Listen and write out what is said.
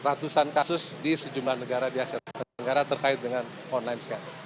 ratusan kasus di sejumlah negara terkait dengan online scam